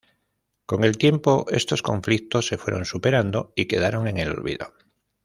Con el tiempo estos conflictos se fueron superando y quedaron en el olvido.